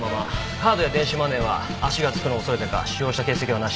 カードや電子マネーは足がつくのを恐れてか使用した形跡はなし。